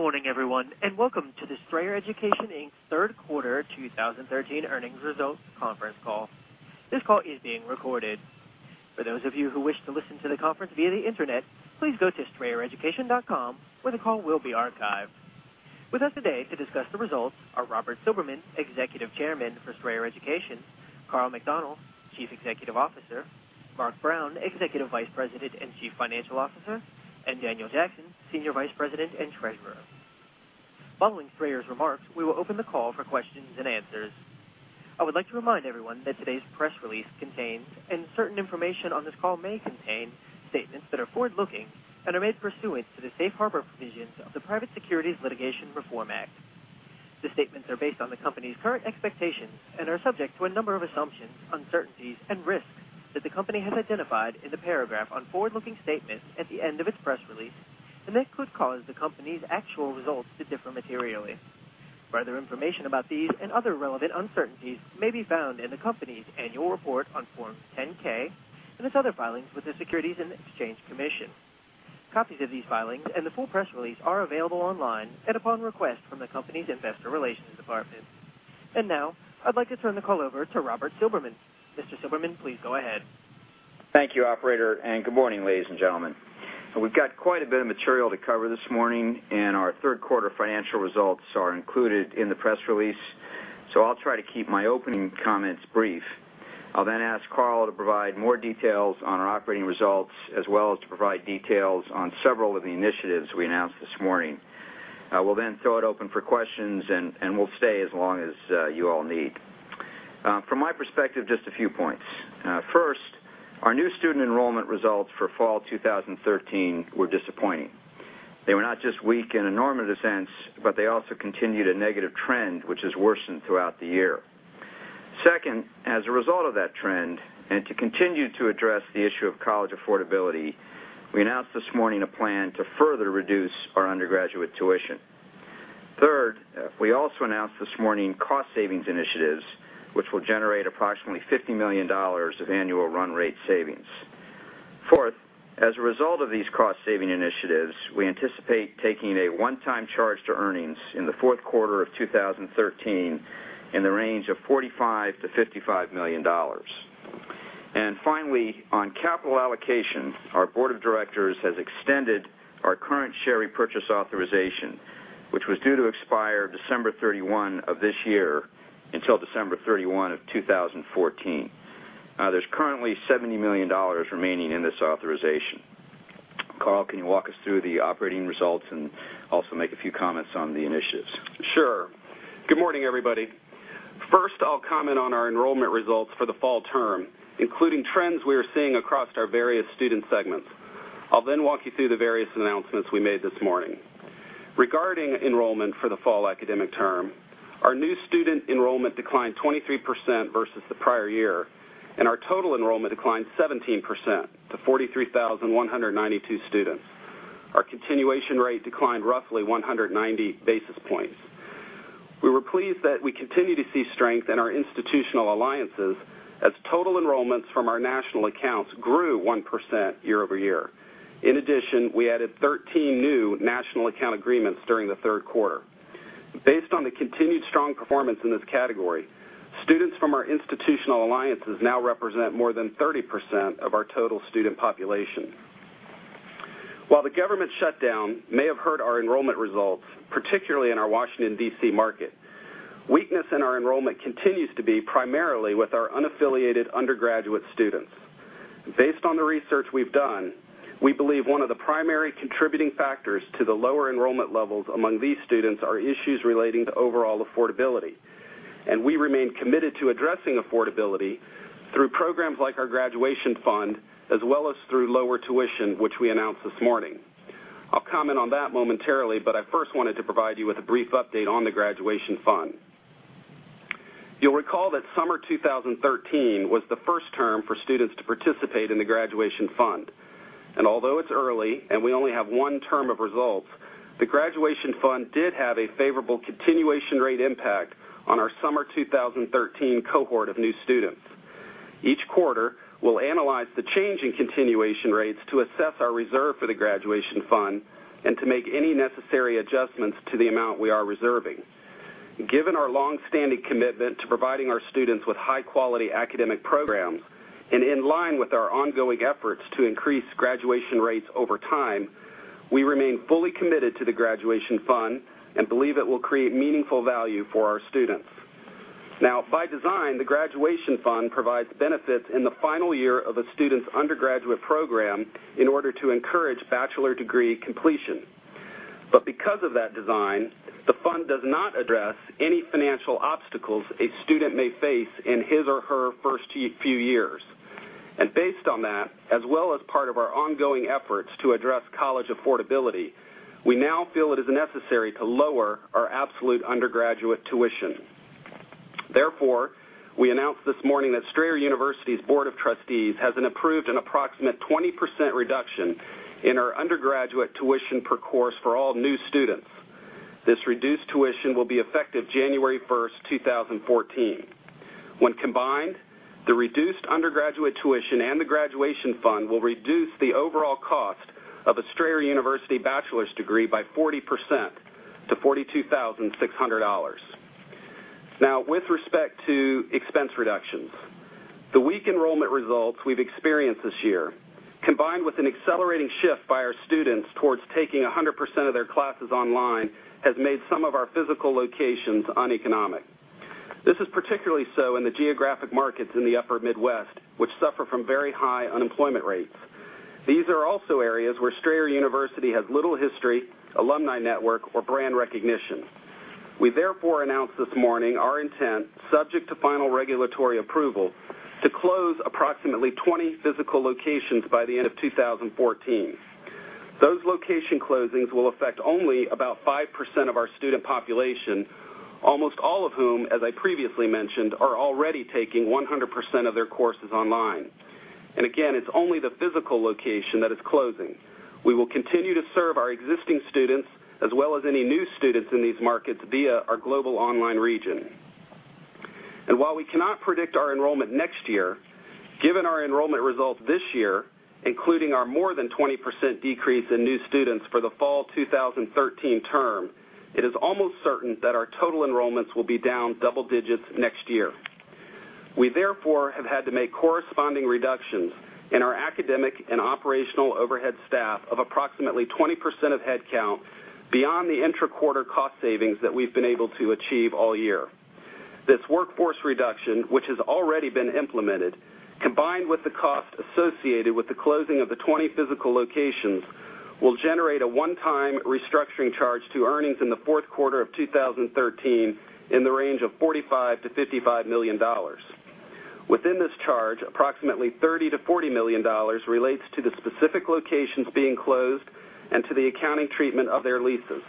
Good morning, everyone, and welcome to the Strayer Education, Inc.'s third quarter 2013 earnings results conference call. This call is being recorded. For those of you who wish to listen to the conference via the Internet, please go to strayereducation.com, where the call will be archived. With us today to discuss the results are Robert S. Silberman, Executive Chairman for Strayer Education; Karl McDonnell, Chief Executive Officer; Mark C. Brown, Executive Vice President and Chief Financial Officer; and Daniel W. Jackson, Senior Vice President and Treasurer. Following Strayer's remarks, we will open the call for questions and answers. I would like to remind everyone that today's press release contains, and certain information on this call may contain, statements that are forward-looking and are made pursuant to the Safe Harbor provisions of the Private Securities Litigation Reform Act. The statements are based on the company's current expectations and are subject to a number of assumptions, uncertainties, and risks that the company has identified in the paragraph on forward-looking statements at the end of its press release, and that could cause the company's actual results to differ materially. Further information about these and other relevant uncertainties may be found in the company's Annual Report on Form 10-K and its other filings with the Securities and Exchange Commission. Copies of these filings and the full press release are available online and upon request from the company's Investor Relations department. Now, I'd like to turn the call over to Robert Silberman. Mr. Silberman, please go ahead. Thank you, operator, and good morning, ladies and gentlemen. We've got quite a bit of material to cover this morning, and our third quarter financial results are included in the press release, so I'll try to keep my opening comments brief. I'll then ask Karl to provide more details on our operating results, as well as to provide details on several of the initiatives we announced this morning. I will then throw it open for questions, and we'll stay as long as you all need. From my perspective, just a few points. First, our new student enrollment results for fall 2013 were disappointing. They were not just weak in a normative sense, but they also continued a negative trend, which has worsened throughout the year. Second, as a result of that trend, and to continue to address the issue of college affordability, we announced this morning a plan to further reduce our undergraduate tuition. Third, we also announced this morning cost savings initiatives, which will generate approximately $50 million of annual run rate savings. Fourth, as a result of these cost-saving initiatives, we anticipate taking a one-time charge to earnings in the fourth quarter of 2013 in the range of $45 million-$55 million. And finally, on capital allocation, our board of directors has extended our current share repurchase authorization, which was due to expire December 31 of this year, until December 31, 2014. There's currently $70 million remaining in this authorization. Karl, can you walk us through the operating results and also make a few comments on the initiatives? Sure. Good morning, everybody. First, I'll comment on our enrollment results for the fall term, including trends we are seeing across our various student segments. I'll then walk you through the various announcements we made this morning. Regarding enrollment for the fall academic term, our new student enrollment declined 23% versus the prior year, and our total enrollment declined 17% to 43,192 students. Our continuation rate declined roughly 190 basis points. We were pleased that we continue to see strength in our institutional alliances as total enrollments from our national accounts grew 1% year-over-year. In addition, we added 13 new national account agreements during the third quarter. Based on the continued strong performance in this category, students from our institutional alliances now represent more than 30% of our total student population. While the government shutdown may have hurt our enrollment results, particularly in our Washington, D.C., market, weakness in our enrollment continues to be primarily with our unaffiliated undergraduate students. Based on the research we've done, we believe one of the primary contributing factors to the lower enrollment levels among these students are issues relating to overall affordability, and we remain committed to addressing affordability through programs like our Graduation Fund, as well as through lower tuition, which we announced this morning. I'll comment on that momentarily, but I first wanted to provide you with a brief update on the Graduation Fund. You'll recall that summer 2013 was the first term for students to participate in the Graduation Fund. And although it's early and we only have one term of results, the Graduation Fund did have a favorable continuation rate impact on our summer 2013 cohort of new students. Each quarter, we'll analyze the change in continuation rates to assess our reserve for the Graduation Fund and to make any necessary adjustments to the amount we are reserving. Given our long-standing commitment to providing our students with high-quality academic programs and in line with our ongoing efforts to increase graduation rates over time, we remain fully committed to the Graduation Fund and believe it will create meaningful value for our students. Now, by design, the Graduation Fund provides benefits in the final year of a student's undergraduate program in order to encourage bachelor degree completion. But because of that design, the fund does not address any financial obstacles a student may face in his or her first few years. Based on that, as well as part of our ongoing efforts to address college affordability, we now feel it is necessary to lower our absolute undergraduate tuition. Therefore, we announced this morning that Strayer University's Board of Trustees has approved an approximate 20% reduction in our undergraduate tuition per course for all new students. This reduced tuition will be effective January first, 2014. When combined, the reduced undergraduate tuition and the Graduation Fund will reduce the overall cost of a Strayer University bachelor's degree by 40% to $42,600. Now, with respect to expense reductions, the weak enrollment results we've experienced this year, combined with an accelerating shift by our students towards taking 100% of their classes online, has made some of our physical locations uneconomic. This is particularly so in the geographic markets in the upper Midwest, which suffer from very high unemployment rates. These are also areas where Strayer University has little history, alumni network, or brand recognition. We therefore announced this morning our intent, subject to final regulatory approval, to close approximately 20 physical locations by the end of 2014. Those location closings will affect only about 5% of our student population, almost all of whom, as I previously mentioned, are already taking 100% of their courses online. And again, it's only the physical location that is closing. We will continue to serve our existing students as well as any new students in these markets via our global online region. And while we cannot predict our enrollment next year, given our enrollment results this year, including our more than 20% decrease in new students for the Fall 2013 term, it is almost certain that our total enrollments will be down double digits next year. We, therefore, have had to make corresponding reductions in our academic and operational overhead staff of approximately 20% of headcount beyond the intra-quarter cost savings that we've been able to achieve all year. This workforce reduction, which has already been implemented, combined with the cost associated with the closing of the 20 physical locations, will generate a one-time restructuring charge to earnings in the fourth quarter of 2013 in the range of $45 million-$55 million. Within this charge, approximately $30 million-$40 million relates to the specific locations being closed and to the accounting treatment of their leases.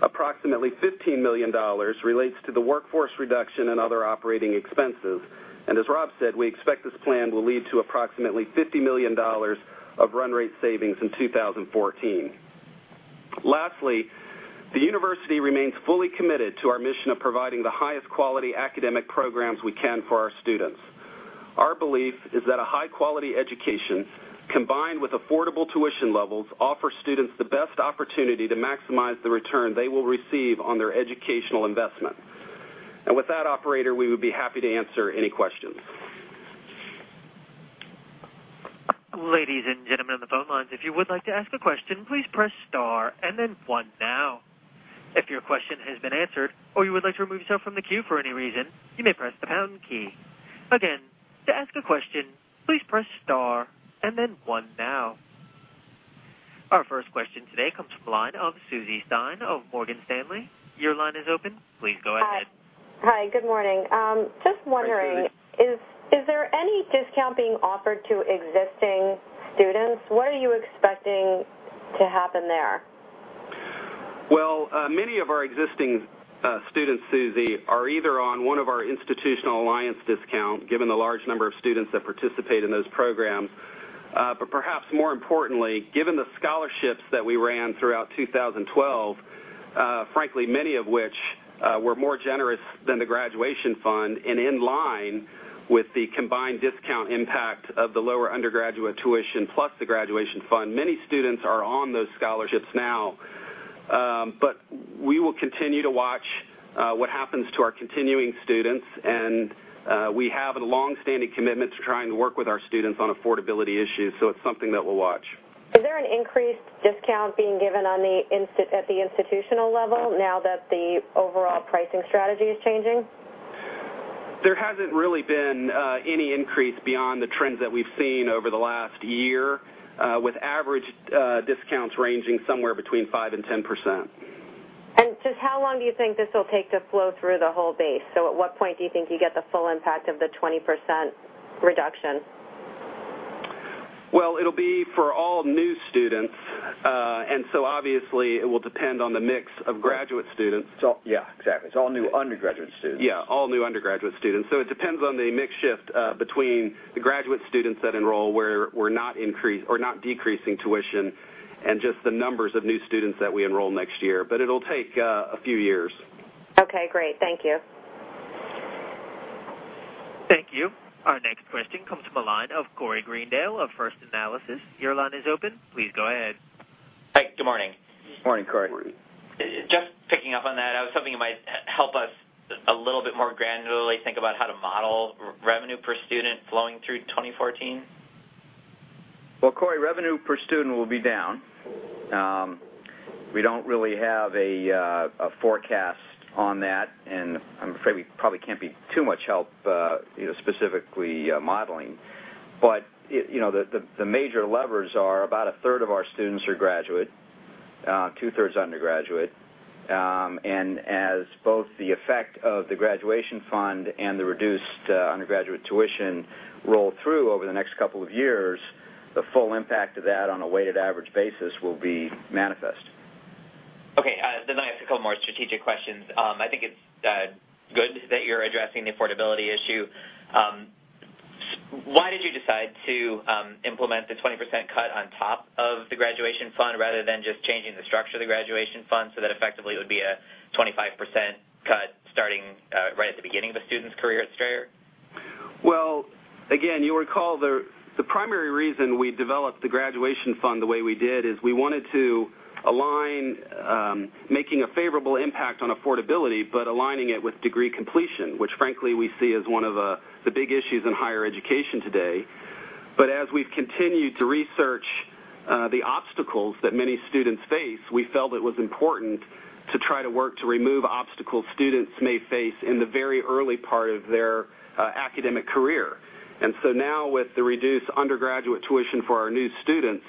Approximately $15 million relates to the workforce reduction and other operating expenses. And as Rob said, we expect this plan will lead to approximately $50 million of run rate savings in 2014. Lastly, the university remains fully committed to our mission of providing the highest quality academic programs we can for our students. Our belief is that a high-quality education, combined with affordable tuition levels, offer students the best opportunity to maximize the return they will receive on their educational investment. With that, operator, we would be happy to answer any questions. Ladies and gentlemen, on the phone lines, if you would like to ask a question, please press star and then one now. If your question has been answered or you would like to remove yourself from the queue for any reason, you may press the pound key. Again, to ask a question, please press star and then one now. Our first question today comes from the line of Suzanne Stein of Morgan Stanley. Your line is open. Please go ahead. Hi. Good morning. Hi, Susie. Just wondering, is there any discount being offered to existing students? What are you expecting to happen there? Well, many of our existing students, Susie, are either on one of our institutional alliance discount, given the large number of students that participate in those programs. But perhaps more importantly, given the scholarships that we ran throughout 2012, frankly, many of which were more generous than the graduation fund and in line with the combined discount impact of the lower undergraduate tuition, plus the graduation fund, many students are on those scholarships now. But we will continue to watch what happens to our continuing students, and we have a long-standing commitment to trying to work with our students on affordability issues, so it's something that we'll watch. Is there an increased discount being given on the institutional level now that the overall pricing strategy is changing? There hasn't really been any increase beyond the trends that we've seen over the last year, with average discounts ranging somewhere between 5% and 10%. Just how long do you think this will take to flow through the whole base? At what point do you think you get the full impact of the 20% reduction? Well, it'll be for all new students, and so obviously, it will depend on the mix of graduate students. Yeah, exactly. It's all new undergraduate students. Yeah, all new undergraduate students. So it depends on the mix shift between the graduate students that enroll, where we're not increasing or not decreasing tuition, and just the numbers of new students that we enroll next year. But it'll take a few years. Okay, great. Thank you. Thank you. Our next question comes from the line of Corey Greendale of First Analysis. Your line is open. Please go ahead. Hi, good morning. Morning, Corey. Just picking up on that, I was hoping you might help us a little bit more granularly think about how to model revenue per student flowing through 2014. Well, Corey, revenue per student will be down. We don't really have a forecast on that, and I'm afraid we probably can't be too much help, you know, specifically, modeling. But it... You know, the major levers are about a third of our students are graduate, two-thirds undergraduate. And as both the effect of the Graduation Fund and the reduced undergraduate tuition roll through over the next couple of years, the full impact of that on a weighted average basis will be manifest. Okay, then I have a couple more strategic questions. I think it's good that you're addressing the affordability issue. Why did you decide to implement the 20% cut on top of the graduation fund, rather than just changing the structure of the graduation fund, so that effectively it would be a 25% cut starting right at the beginning of a student's career at Strayer? Well, again, you'll recall the primary reason we developed the Graduation Fund the way we did is we wanted to align making a favorable impact on affordability, but aligning it with degree completion, which frankly, we see as one of the big issues in higher education today. But as we've continued to research the obstacles that many students face, we felt it was important to try to work to remove obstacles students may face in the very early part of their academic career. And so now, with the reduced undergraduate tuition for our new students,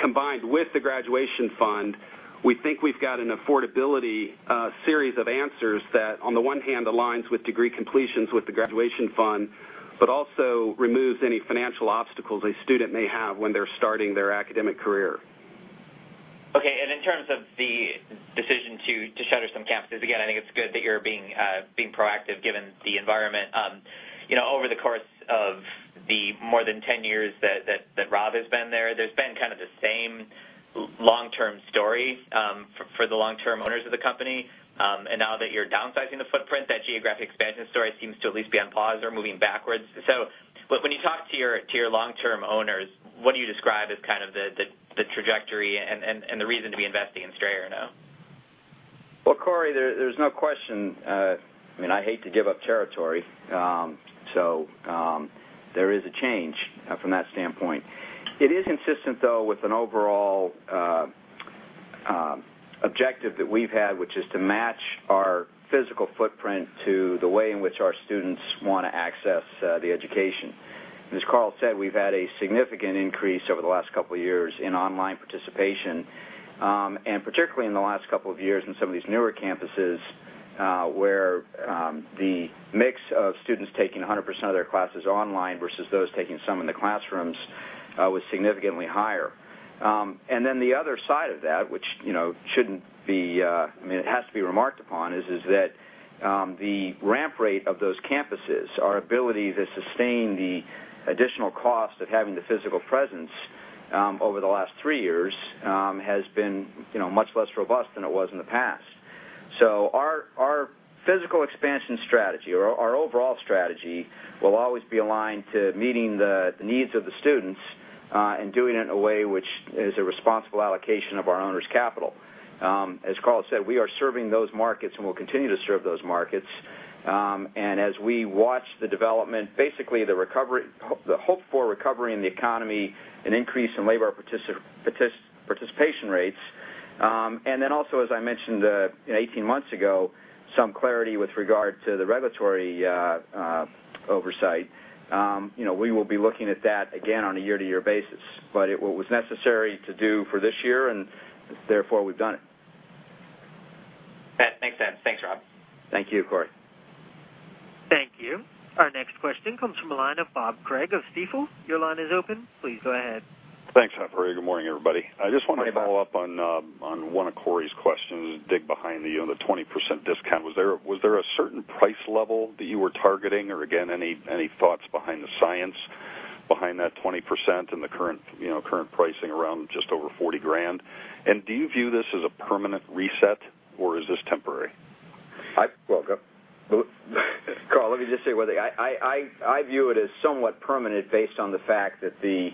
combined with the Graduation Fund, we think we've got an affordability series of answers that, on the one hand, aligns with degree completions with the Graduation Fund, but also removes any financial obstacles a student may have when they're starting their academic career. Okay. And in terms of the decision to shutter some campuses, again, I think it's good that you're being proactive, given the environment. You know, over the course of the more than 10 years that Rob has been there, there's been kind of the same long-term story for the long-term owners of the company. And now that you're downsizing the footprint, that geographic expansion story seems to at least be on pause or moving backwards. So when you talk to your long-term owners, what do you describe as the trajectory and the reason to be investing in Strayer now? Well, Corey, there's no question. I mean, I hate to give up territory, so there is a change from that standpoint. It is consistent, though, with an overall objective that we've had, which is to match our physical footprint to the way in which our students want to access the education. And as Karl said, we've had a significant increase over the last couple of years in online participation. I mean, particularly in the last couple of years, in some of these newer campuses, where the mix of students taking 100% of their classes online versus those taking some in the classrooms was significantly higher. And then the other side of that, which, you know, shouldn't be, I mean, it has to be remarked upon, is that the ramp rate of those campuses, our ability to sustain the additional cost of having the physical presence over the last 3 years has been, you know, much less robust than it was in the past. So our physical expansion strategy or our overall strategy will always be aligned to meeting the needs of the students and doing it in a way which is a responsible allocation of our owners' capital. As Karl said, we are serving those markets, and we'll continue to serve those markets. And as we watch the development, basically, the recovery, the hope for recovery in the economy, an increase in labor participation rates, and then also, as I mentioned 18 months ago, some clarity with regard to the regulatory oversight. You know, we will be looking at that again on a year-to-year basis, but it was necessary to do for this year, and therefore, we've done it. Thanks, Ed. Thanks, Rob. Thank you, Corey. Thank you. Our next question comes from the line of Bob Craig of Stifel. Your line is open. Please go ahead. Thanks, operator. Good morning, everybody. Good morning, Bob. I just want to follow up on, on one of Corey's questions, dig behind the, you know, the 20% discount. Was there, was there a certain price level that you were targeting, or again, any, any thoughts behind the science behind that 20% and the current, you know, current pricing around just over $40,000? And do you view this as a permanent reset, or is this temporary? Well, go... Karl, let me just say one thing. I view it as somewhat permanent, based on the fact that the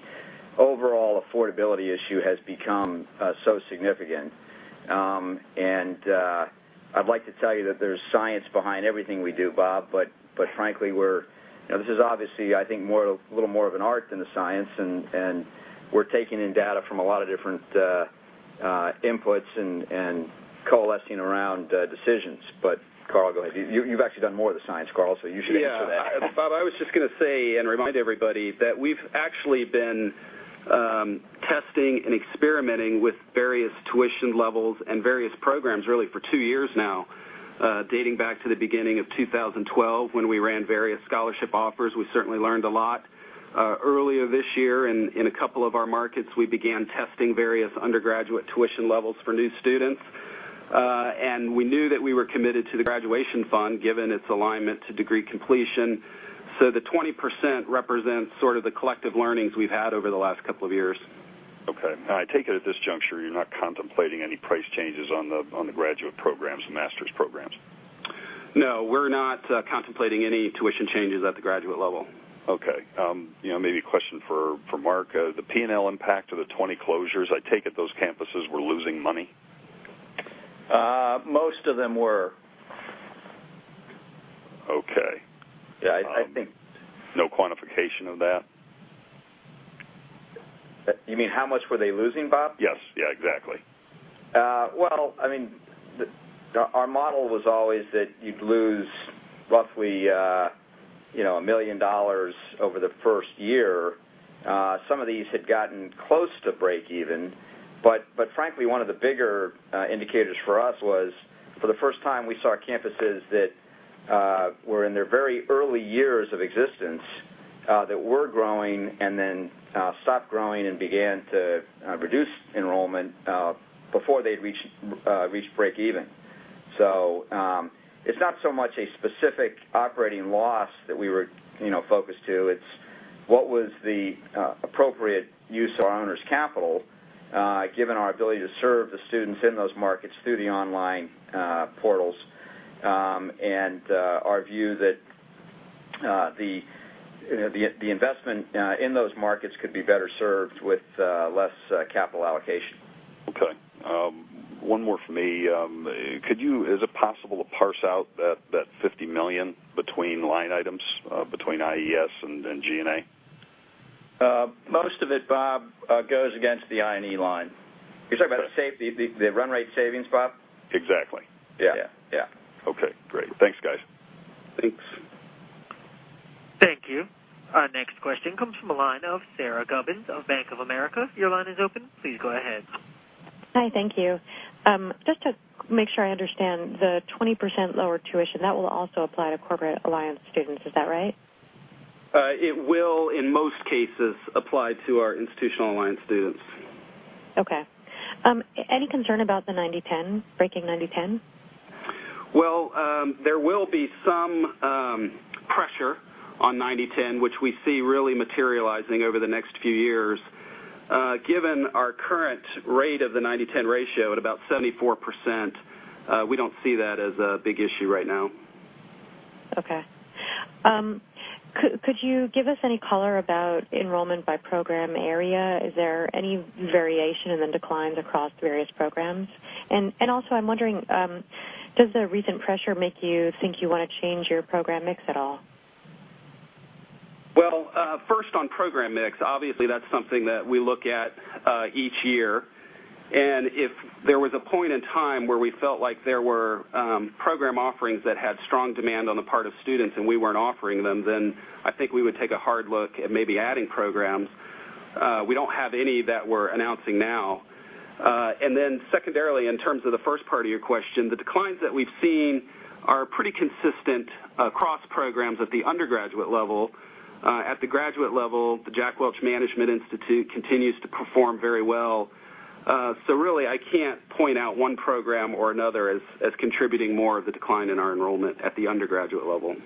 overall affordability issue has become so significant. And I'd like to tell you that there's science behind everything we do, Bob, but frankly, we're. You know, this is obviously, I think, more of... a little more of an art than a science, and we're taking in data from a lot of different inputs and coalescing around decisions. But Karl, go ahead. You, you've actually done more of the science, Karl, so you should answer that. Yeah. Bob, I was just gonna say, and remind everybody, that we've actually been testing and experimenting with various tuition levels and various programs, really, for 2 years now, dating back to the beginning of 2012, when we ran various scholarship offers. We certainly learned a lot. Earlier this year, in a couple of our markets, we began testing various undergraduate tuition levels for new students. And we knew that we were committed to the Graduation Fund, given its alignment to degree completion. So the 20% represents sort of the collective learnings we've had over the last couple of years. Okay. I take it, at this juncture, you're not contemplating any price changes on the graduate programs, the master's programs? No, we're not contemplating any tuition changes at the graduate level. Okay. You know, maybe a question for Mark. The P&L impact of the 20 closures, I take it those campuses were losing money? Most of them were. Okay. Yeah, I think- No quantification of that? You mean, how much were they losing, Bob? Yes. Yeah, exactly. Well, I mean, our model was always that you'd lose roughly, you know, $1 million over the first year. Some of these had gotten close to break even, but frankly, one of the bigger indicators for us was, for the first time, we saw campuses that were in their very early years of existence, that were growing and then stopped growing and began to reduce enrollment before they'd reached break even. So, it's not so much a specific operating loss that we were, you know, focused to. It's what was the appropriate use of our owners' capital, given our ability to serve the students in those markets through the online portals, and our view that the investment in those markets could be better served with less capital allocation. Okay. One more from me. Could you, is it possible to parse out that, that $50 million between line items, between IES and G&A? Most of it, Bob, goes against the I&E line. You're talking about the run rate savings, Bob? Exactly. Yeah. Yeah. Okay, great. Thanks, guys. Thanks. Thank you. Our next question comes from the line of Sara Gubins of Bank of America. Your line is open. Please go ahead. Hi, thank you. Just to make sure I understand, the 20% lower tuition, that will also apply to corporate alliance students, is that right? It will, in most cases, apply to our institutional alliance students. Okay. Any concern about the 90/10, breaking 90/10? Well, there will be some pressure on 90/10, which we see really materializing over the next few years. Given our current rate of the 90/10 ratio at about 74%, we don't see that as a big issue right now. Okay. Could you give us any color about enrollment by program area? Is there any variation in the declines across various programs? And also, I'm wondering, does the recent pressure make you think you want to change your program mix at all? Well, first on program mix, obviously, that's something that we look at each year. And if there was a point in time where we felt like there were program offerings that had strong demand on the part of students, and we weren't offering them, then I think we would take a hard look at maybe adding programs. We don't have any that we're announcing now. And then secondarily, in terms of the first part of your question, the declines that we've seen are pretty consistent across programs at the undergraduate level. At the graduate level, the Jack Welch Management Institute continues to perform very well. So really, I can't point out one program or another as contributing more of the decline in our enrollment at the undergraduate level.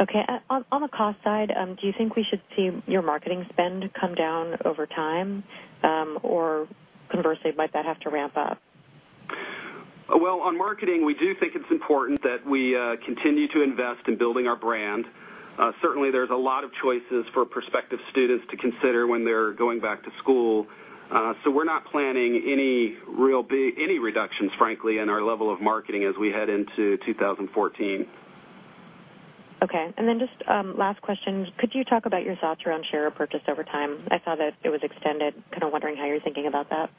Okay. On the cost side, do you think we should see your marketing spend come down over time? Or conversely, might that have to ramp up? Well, on marketing, we do think it's important that we continue to invest in building our brand. Certainly, there's a lot of choices for prospective students to consider when they're going back to school. So we're not planning any real big reductions, frankly, in our level of marketing as we head into 2014. Okay. And then just, last question. Could you talk about your thoughts around share purchase over time? I saw that it was extended. Kind of wondering how you're thinking about that.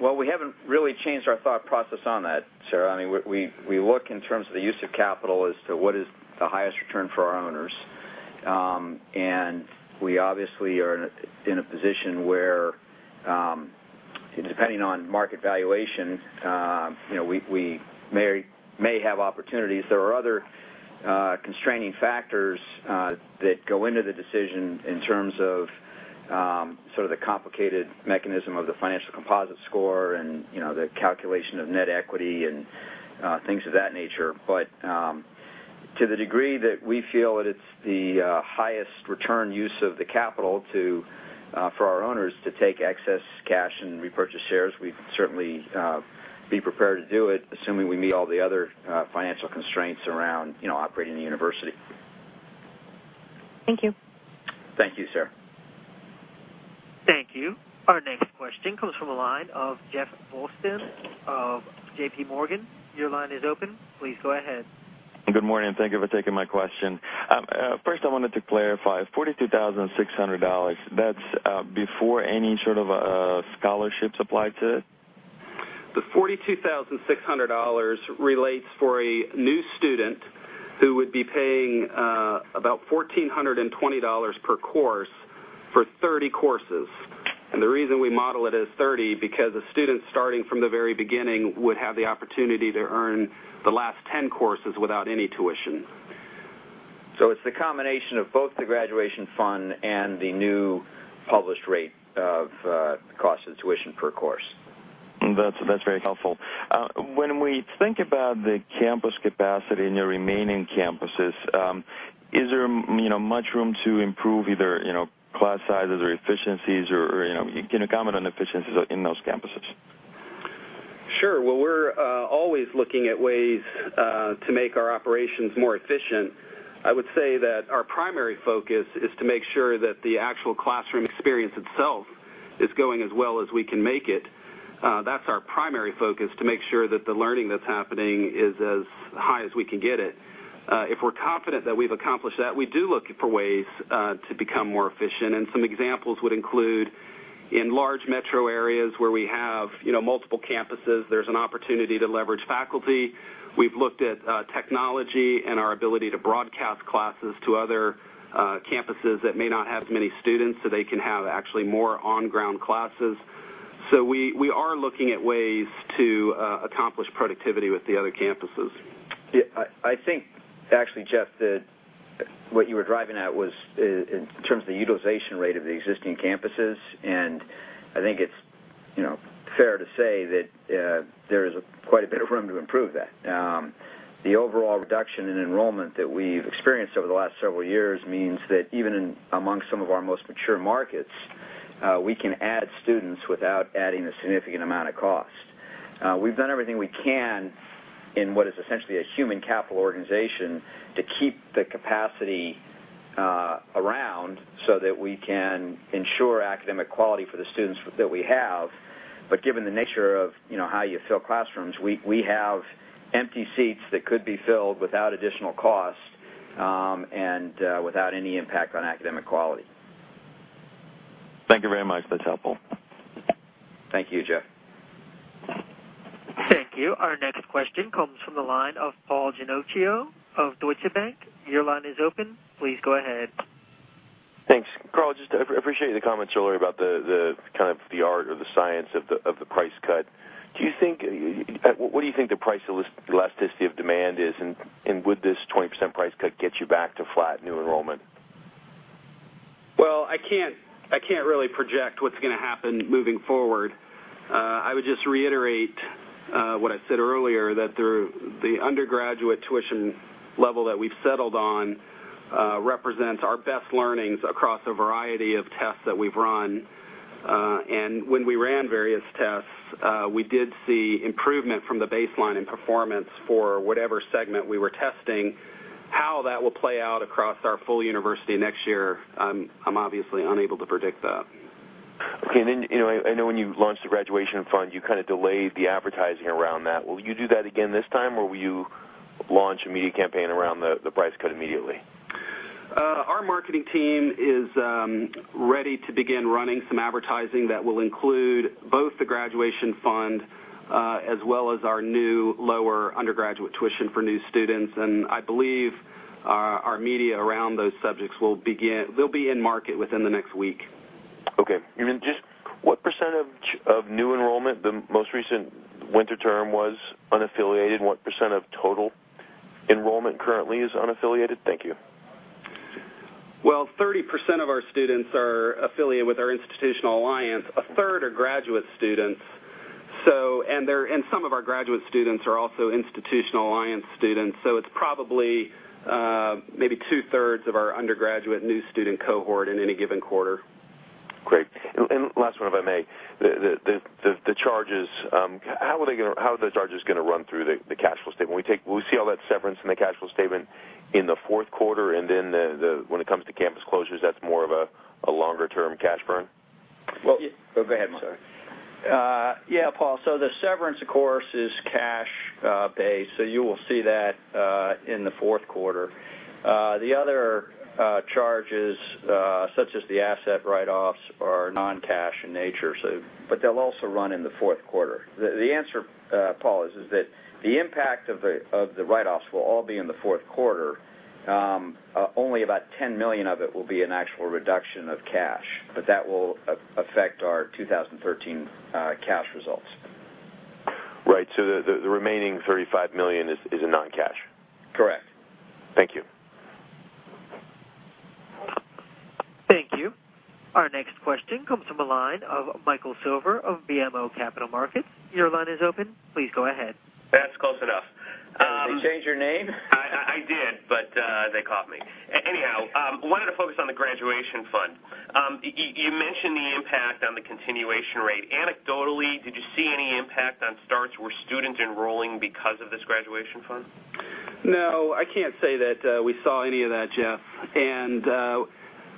Well, we haven't really changed our thought process on that, Sarah. I mean, we look in terms of the use of capital as to what is the highest return for our owners. And we obviously are in a position where, depending on market valuation, you know, we may have opportunities. There are other constraining factors that go into the decision in terms of sort of the complicated mechanism of the Financial Composite Score and, you know, the calculation of net equity and things of that nature. But to the degree that we feel that it's the highest return use of the capital to for our owners to take excess cash and repurchase shares, we'd certainly be prepared to do it, assuming we meet all the other financial constraints around, you know, operating the university. Thank you. Thank you, Sarah. Thank you. Our next question comes from the line of Jeff Silber of JP Morgan. Your line is open. Please go ahead. Good morning, and thank you for taking my question. First I wanted to clarify: $42,600, that's before any sort of scholarships applied to it? The $42,600 relates for a new student who would be paying about $1,420 per course for 30 courses. The reason we model it as 30, because a student starting from the very beginning would have the opportunity to earn the last 10 courses without any tuition. It's the combination of both the Graduation Fund and the new published rate of cost of tuition per course. That's, that's very helpful. When we think about the campus capacity in your remaining campuses, is there, you know, much room to improve either, you know, class sizes or efficiencies or, or, you know, can you comment on efficiencies in those campuses? Sure. Well, we're always looking at ways to make our operations more efficient. I would say that our primary focus is to make sure that the actual classroom experience itself is going as well as we can make it. That's our primary focus, to make sure that the learning that's happening is as high as we can get it. If we're confident that we've accomplished that, we do look for ways to become more efficient, and some examples would include in large metro areas where we have, you know, multiple campuses, there's an opportunity to leverage faculty. We've looked at technology and our ability to broadcast classes to other campuses that may not have as many students, so they can have actually more on-ground classes. So we are looking at ways to accomplish productivity with the other campuses. Yeah, I think, actually, Jeff, what you were driving at was in terms of the utilization rate of the existing campuses, and I think it's, you know, fair to say that there is quite a bit of room to improve that. The overall reduction in enrollment that we've experienced over the last several years means that even in amongst some of our most mature markets, we can add students without adding a significant amount of cost. We've done everything we can in what is essentially a human capital organization, to keep the capacity around so that we can ensure academic quality for the students that we have. But given the nature of, you know, how you fill classrooms, we have empty seats that could be filled without additional cost, and without any impact on academic quality. Thank you very much. That's helpful. Thank you, Jeff. Thank you. Our next question comes from the line of Paul Ginocchio of Deutsche Bank. Your line is open. Please go ahead. Thanks. Karl, just I appreciate the comments earlier about the, the kind of the art or the science of the, of the price cut. What do you think the price elasticity of demand is, and would this 20% price cut get you back to flat new enrollment? Well, I can't, I can't really project what's gonna happen moving forward. I would just reiterate what I said earlier, that the undergraduate tuition level that we've settled on represents our best learnings across a variety of tests that we've run. And when we ran various tests, we did see improvement from the baseline in performance for whatever segment we were testing. How that will play out across our full university next year, I'm obviously unable to predict that. Okay. And then, you know, I know when you launched the Graduation Fund, you kind of delayed the advertising around that. Will you do that again this time, or will you launch a media campaign around the, the price cut immediately? Our marketing team is ready to begin running some advertising that will include both the Graduation Fund, as well as our new lower undergraduate tuition for new students. I believe our media around those subjects will begin. They'll be in market within the next week. Okay. And then just what percentage of new enrollment, the most recent winter term was unaffiliated, and what percent of total enrollment currently is unaffiliated? Thank you. Well, 30% of our students are affiliated with our Institutional Alliance. A third are graduate students, so and they're and some of our graduate students are also Institutional Alliance students, so it's probably, maybe two-thirds of our undergraduate new student cohort in any given quarter. Great. And last one, if I may. The charges, how are those charges gonna run through the cash flow statement? Will we see all that severance in the cash flow statement in the fourth quarter, and then when it comes to campus closures, that's more of a longer-term cash burn? Well... Go ahead, Mike, sorry. Yeah, Paul, so the severance, of course, is cash based, so you will see that in the fourth quarter. The other charges, such as the asset write-offs, are non-cash in nature, so but they'll also run in the fourth quarter. The answer, Paul, is that the impact of the write-offs will all be in the fourth quarter. Only about $10 million of it will be an actual reduction of cash, but that will affect our 2013 cash results. Right. So the remaining $35 million is a non-cash? Correct. Thank you. Thank you. Our next question comes from the line of Michael Silver of BMO Capital Markets. Your line is open. Please go ahead. That's close enough. Did you change your name? I did, but they caught me. Anyhow, wanted to focus on the Graduation Fund. You mentioned the impact on the Continuation Rate. Anecdotally, did you see any impact on starts? Were students enrolling because of this Graduation Fund? No, I can't say that, we saw any of that, Jeff.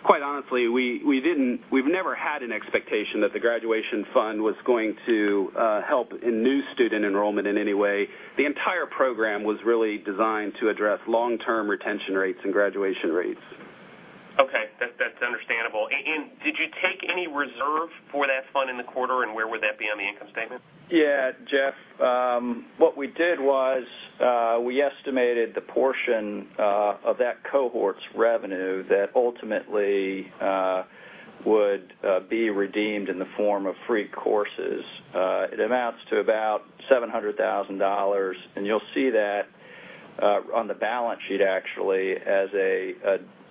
Quite honestly, we didn't. We've never had an expectation that the Graduation Fund was going to help in new student enrollment in any way. The entire program was really designed to address long-term retention rates and graduation rates. Okay. That's, that's understandable. And, and did you take any reserve for that fund in the quarter, and where would that be on the income statement? Yeah, Jeff, what we did was, we estimated the portion of that cohort's revenue that ultimately would be redeemed in the form of free courses. It amounts to about $700,000, and you'll see that on the balance sheet, actually, as a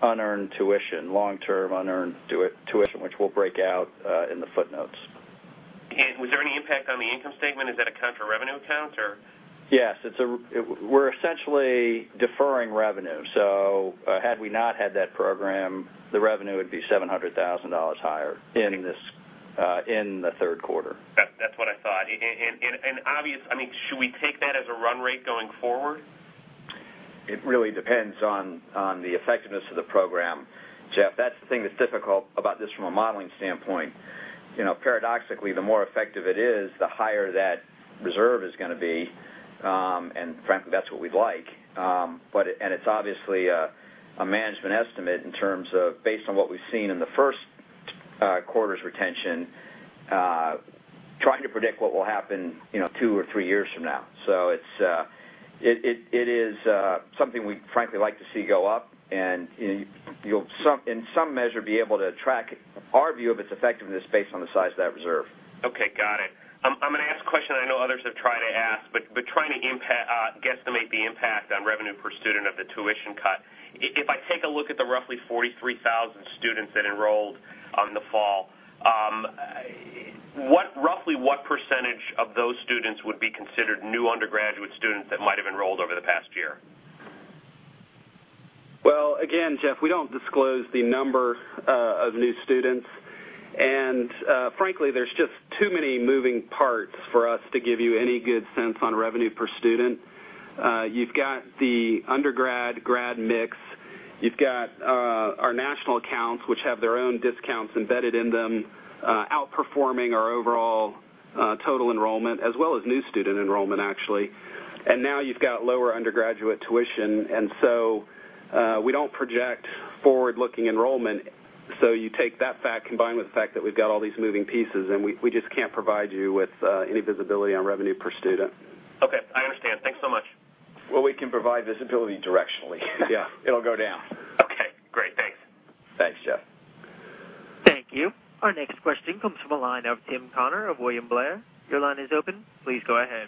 unearned tuition, long-term unearned tuition, which we'll break out in the footnotes. Was there any impact on the income statement? Is that account a revenue account or? Yes, it's a... We're essentially deferring revenue, so, had we not had that program, the revenue would be $700,000 higher in this, in the third quarter. That's what I thought. I mean, should we take that as a run rate going forward? It really depends on the effectiveness of the program, Jeff. That's the thing that's difficult about this from a modeling standpoint. You know, paradoxically, the more effective it is, the higher that reserve is gonna be, and frankly, that's what we'd like. But it's obviously a management estimate in terms of based on what we've seen in the first quarter's retention, trying to predict what will happen, you know, two or three years from now. So it is something we frankly like to see go up, and you'll in some measure be able to track our view of its effectiveness based on the size of that reserve. Okay, got it.... I'm gonna ask a question I know others have tried to ask, but, but trying to guesstimate the impact on revenue per student of the tuition cut. If I take a look at the roughly 43,000 students that enrolled in the fall, roughly what percentage of those students would be considered new undergraduate students that might have enrolled over the past year? Well, again, Jeff, we don't disclose the number of new students, and frankly, there's just too many moving parts for us to give you any good sense on revenue per student. You've got the undergrad-grad mix. You've got our national accounts, which have their own discounts embedded in them, outperforming our overall total enrollment, as well as new student enrollment, actually. And now you've got lower undergraduate tuition, and so we don't project forward-looking enrollment. So you take that fact, combined with the fact that we've got all these moving pieces, and we just can't provide you with any visibility on revenue per student. Okay, I understand. Thanks so much. Well, we can provide visibility directionally. Yeah. It'll go down. Okay, great. Thanks. Thanks, Jeff. Thank you. Our next question comes from the line of Tim McHugh of William Blair. Your line is open. Please go ahead.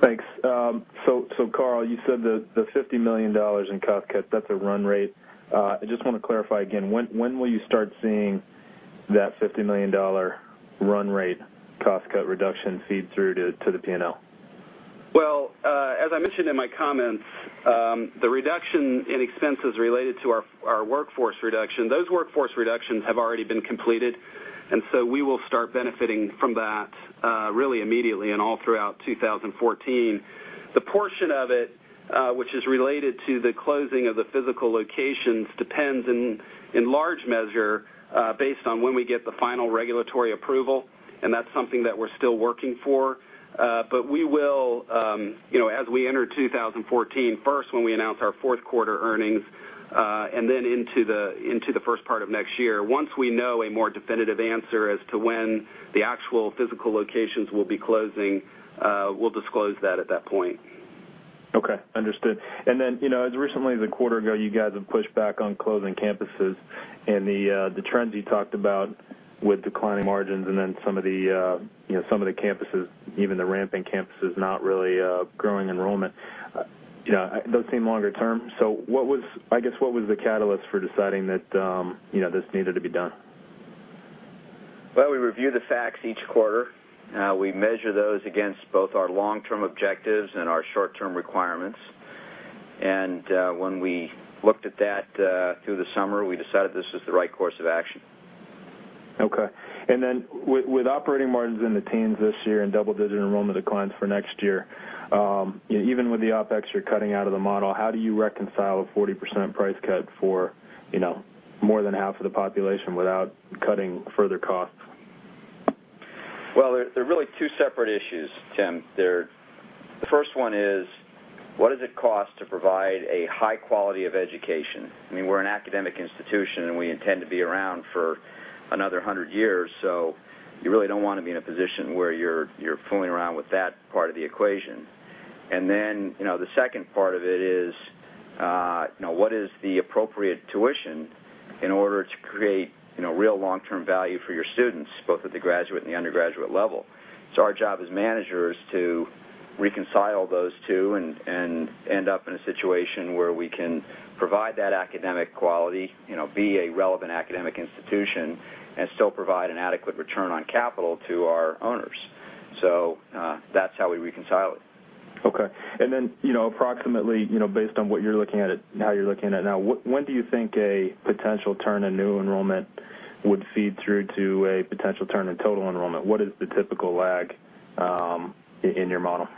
Thanks. So, Karl, you said that the $50 million in cost cuts, that's a run rate. I just wanna clarify again, when will you start seeing that $50 million run rate cost cut reduction feed through to the P&L? Well, as I mentioned in my comments, the reduction in expenses related to our, our workforce reduction, those workforce reductions have already been completed, and so we will start benefiting from that, really immediately and all throughout 2014. The portion of it, which is related to the closing of the physical locations, depends in, in large measure, based on when we get the final regulatory approval, and that's something that we're still working for. But we will, you know, as we enter 2014, first, when we announce our fourth quarter earnings, and then into the, into the first part of next year. Once we know a more definitive answer as to when the actual physical locations will be closing, we'll disclose that at that point. Okay, understood. And then, you know, as recently as a quarter ago, you guys have pushed back on closing campuses and the, the trends you talked about with declining margins and then some of the, you know, some of the campuses, even the ramping campuses, not really, growing enrollment. You know, those seem longer term. So what was... I guess, what was the catalyst for deciding that, you know, this needed to be done? Well, we review the facts each quarter. We measure those against both our long-term objectives and our short-term requirements. When we looked at that through the summer, we decided this was the right course of action. Okay. And then with operating margins in the teens this year and double-digit enrollment declines for next year, even with the OpEx you're cutting out of the model, how do you reconcile a 40% price cut for, you know, more than half of the population without cutting further costs? Well, they're really two separate issues, Tim. They're the first one is: What does it cost to provide a high quality of education? I mean, we're an academic institution, and we intend to be around for another 100 years, so you really don't wanna be in a position where you're fooling around with that part of the equation. And then, you know, the second part of it is, you know, what is the appropriate tuition in order to create, you know, real long-term value for your students, both at the graduate and the undergraduate level? So our job as managers is to reconcile those two and end up in a situation where we can provide that academic quality, you know, be a relevant academic institution, and still provide an adequate return on capital to our owners. So, that's how we reconcile it. Okay. And then, you know, approximately, you know, based on what you're looking at it, how you're looking at it now, when do you think a potential turn in new enrollment would feed through to a potential turn in total enrollment? What is the typical lag in your model?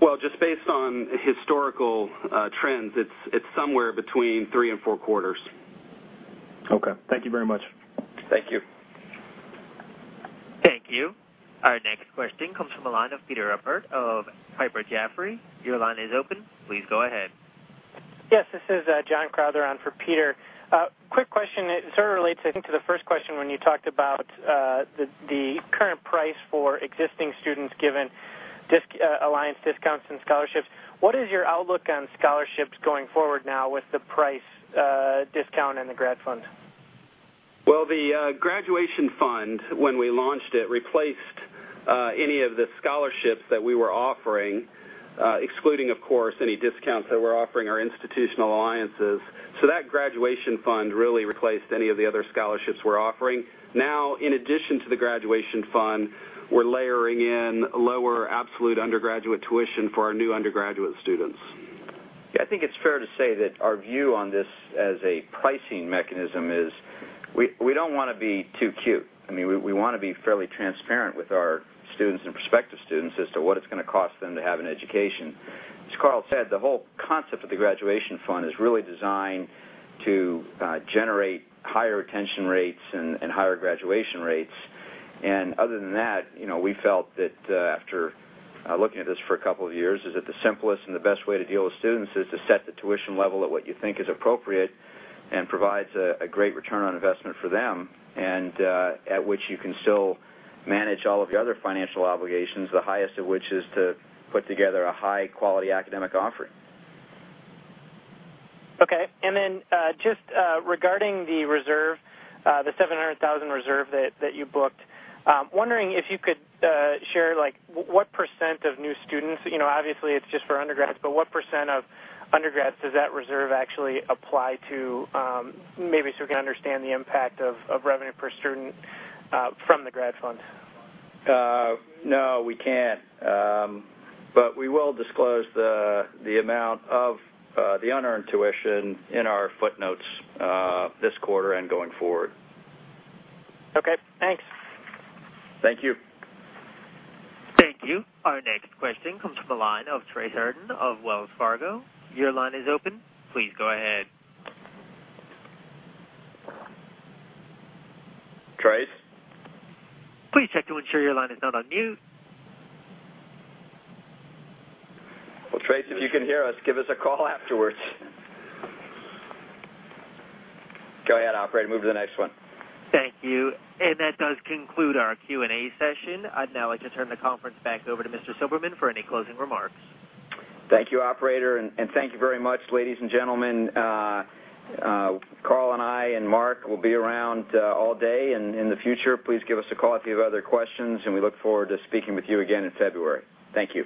Well, just based on historical trends, it's, it's somewhere between 3 and 4 quarters. Okay, thank you very much. Thank you. Thank you. Our next question comes from the line of Peter Appert of Piper Jaffray. Your line is open. Please go ahead. Yes, this is John Crowther on for Peter. Quick question. It sort of relates, I think, to the first question when you talked about the current price for existing students given alliance discounts and scholarships. What is your outlook on scholarships going forward now with the price discount and the Grad Fund? Well, the graduation fund, when we launched it, replaced any of the scholarships that we were offering, excluding, of course, any discounts that we're offering our Institutional Alliances. So that graduation fund really replaced any of the other scholarships we're offering. Now, in addition to the graduation fund, we're layering in lower absolute undergraduate tuition for our new undergraduate students. I think it's fair to say that our view on this as a pricing mechanism is, we don't wanna be too cute. I mean, we wanna be fairly transparent with our students and prospective students as to what it's gonna cost them to have an education. As Karl said, the whole concept of the Graduation Fund is really designed to generate higher retention rates and higher graduation rates. Other than that, you know, we felt that after looking at this for a couple of years, the simplest and the best way to deal with students is to set the tuition level at what you think is appropriate and provides a great return on investment for them, and at which you can still manage all of your other financial obligations, the highest of which is to put together a high-quality academic offering. Okay. And then, just, regarding the reserve, the $700,000 reserve that you booked, wondering if you could, share, like, what % of new students—you know, obviously, it's just for undergrads, but what % of undergrads does that reserve actually apply to, maybe so we can understand the impact of revenue per student, from the grad fund? No, we can't. But we will disclose the amount of the unearned tuition in our footnotes this quarter and going forward. Okay, thanks. Thank you. Thank you. Our next question comes from the line of Trace Urdan of Wells Fargo. Your line is open. Please go ahead. Trace? Please check to ensure your line is not on mute. Well, Trace, if you can hear us, give us a call afterward. Go ahead, operator, move to the next one. Thank you. That does conclude our Q&A session. I'd now like to turn the conference back over to Mr. Silberman for any closing remarks. Thank you, operator, and thank you very much, ladies and gentlemen. Karl and I and Mark will be around all day and in the future. Please give us a call if you have other questions, and we look forward to speaking with you again in February. Thank you.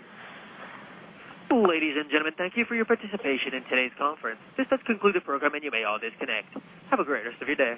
Ladies and gentlemen, thank you for your participation in today's conference. This does conclude the program, and you may all disconnect. Have a great rest of your day.